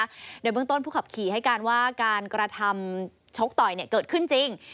โดยเบื้องต้นผู้ขับขี่ให้การว่าการกระทำชกต่อยเนี่ยเกิดขึ้นจริง